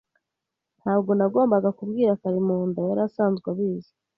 Ntabwo nagombaga kubwira Karimunda. Yari asanzwe abizi.